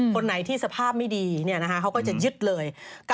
คนไหนที่สภาพไม่ดีเขาก็จะยึดเลย